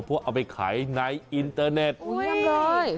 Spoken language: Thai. เพราะเอาไปขายในอินเตอร์เน็ตเยี่ยมเลย